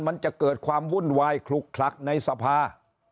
มันจะเกิดความวุ่นวายคลุกคลักในสภา